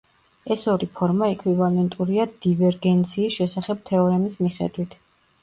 ეს ორი ფორმა ექვივალენტურია დივერგენციის შესახებ თეორემის მიხედვით.